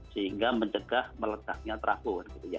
sehingga mencegah meledaknya trafo gitu ya